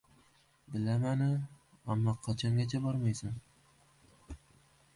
-Bilaman-u, ammo qachongacha bormaysan?!